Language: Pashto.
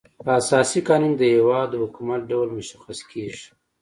په اساسي قانون کي د یو هيواد د حکومت ډول مشخص کيږي.